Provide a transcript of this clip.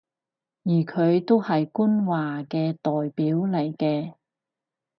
而佢都係官話嘅代表嚟嘅